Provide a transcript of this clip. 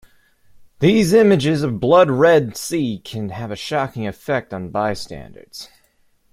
These images of a blood-red sea can have a shocking effect on bystanders.